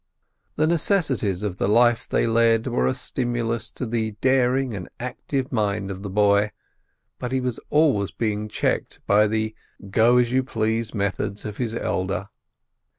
The necessities of the life they led were a stimulus to the daring and active mind of the boy; but he was always being checked by the go as you please methods of his elder.